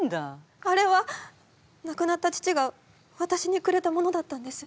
あれはなくなった父がわたしにくれたものだったんです。